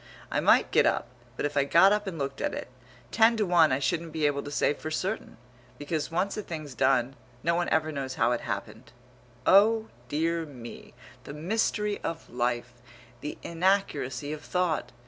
I might get up, but if I got up and looked at it, ten to one I shouldn't be able to say for certain; because once a thing's done, no one ever knows how it happened. Oh! dear me, the mystery of life; The inaccuracy of thought!